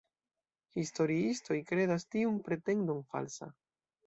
Historiistoj kredas tiun pretendon falsa.